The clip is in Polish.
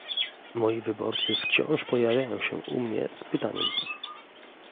Moi wyborcy wciąż pojawiają się u mnie z pytaniem